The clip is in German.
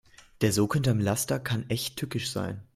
Der Sog hinterm Laster kann echt tückisch sein.